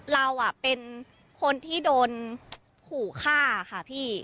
เราเป็นคนที่โดนขู่ฆ่าค่ะพี่